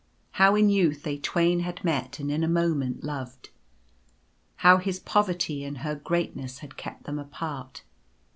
— How in youth they twain had met and jn a moment loved. How his poverty and her greatness had kept them apart.